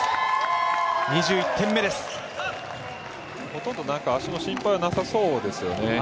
ほとんど足の心配はなさそうですよね。